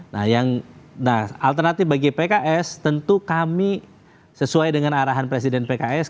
nah yang alternatif bagi pks tentu kami sesuai dengan arahan presiden pks